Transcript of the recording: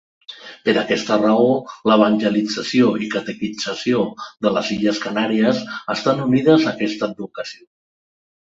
Per aquesta raó l'evangelització i catequització de les illes Canàries estan unides a aquesta advocació.